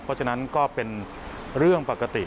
เพราะฉะนั้นก็เป็นเรื่องปกติ